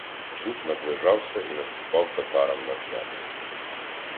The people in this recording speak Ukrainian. Жук наближався і наступав татарам на п'яти.